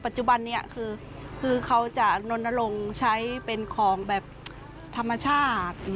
จุบันนี้คือเขาจะลนลงใช้เป็นของแบบธรรมชาติ